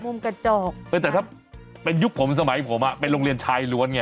กระจอกเออแต่ถ้าเป็นยุคผมสมัยผมอ่ะเป็นโรงเรียนชายล้วนไง